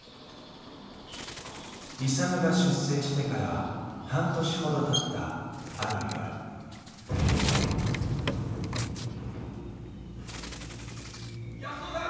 勇が出征してから半年ほどたったある夜・・・安子さん！